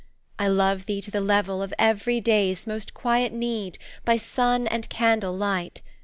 I love thee to the level of every day's Most quiet need, by sun and candle light.